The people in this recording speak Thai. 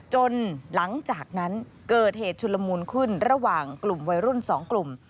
หลังจากนั้นเกิดเหตุชุลมูลขึ้นระหว่างกลุ่มวัยรุ่น๒กลุ่ม